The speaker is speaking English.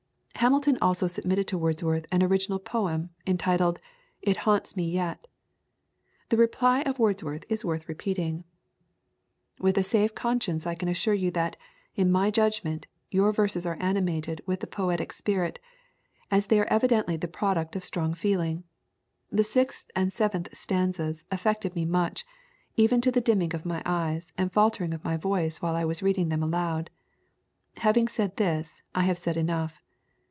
Hamilton also submitted to Wordsworth an original poem, entitled "It Haunts me Yet." The reply of Wordsworth is worth repeating: "With a safe conscience I can assure you that, in my judgment, your verses are animated with the poetic spirit, as they are evidently the product of strong feeling. The sixth and seventh stanzas affected me much, even to the dimming of my eyes and faltering of my voice while I was reading them aloud. Having said this, I have said enough.